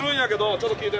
ちょっと聞いて。